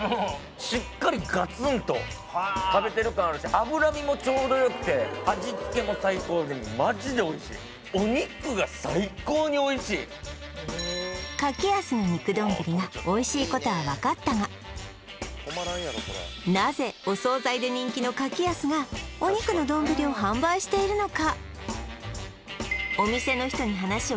しっかりガツンと食べてる感あるし脂身もちょうどよくて味付けも最高でマジでおいしい柿安の肉どんぶりがなぜお惣菜で人気の柿安がお肉のどんぶりを販売しているのか？